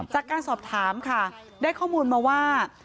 จากการสอบถามค่ะได้ข้อมูลมาว่า